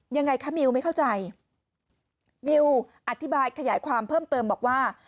ยังไงคะมิวไม่เข้าใจมิวอธิบายขยายความเพิ่มเติมบอกว่า